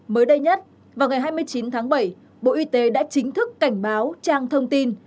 mới đây nhất vào ngày hai mươi chín tháng bảy bộ y tế đã chính thức cảnh báo trang thông tin